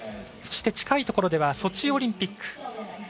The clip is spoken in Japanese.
そして、近いところではソチオリンピック。